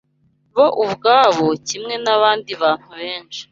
Bo ubwabo, kimwe n’abandi bantu benshi